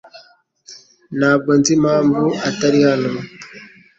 Ntabwo nzi impamvu atari hano.